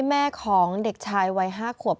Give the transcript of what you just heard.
แม่ของเด็กชายวัย๕ขวบ